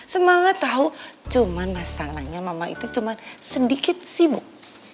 semangat tau cuma masalahnya mama itu cuma sedikit sibuk